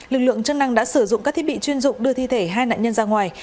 lực lượng chức năng đã sử dụng các thiết bị chuyên dụng đưa thi thể hai nạn nhân ra ngoài